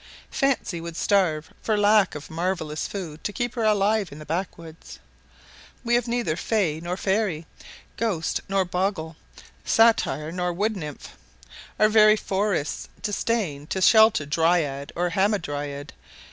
Fancy would starve for lack of marvellous food to keep her alive in the backwoods. We have neither fay nor fairy, ghost nor bogle, satyr nor wood nymph; our very forests disdain to shelter dryad or hamadryad.